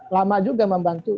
lama juga membantu